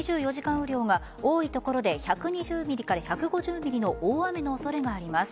雨量は多い所で１２０ｍｍから１５０ｍｍの大雨の恐れがあります。